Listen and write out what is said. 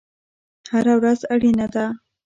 هره ورځ اړینه ده